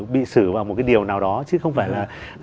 bị xử vào một cái điều nào đó chứ không phải là